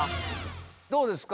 どうですか？